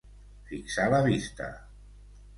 Fixar la vista.